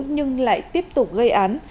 nhưng lại tiếp tục gây án